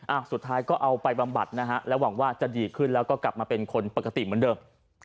สุดท้ายก็เอาไปบำบัดนะฮะแล้วหวังว่าจะดีขึ้นแล้วก็กลับมาเป็นคนปกติเหมือนเดิม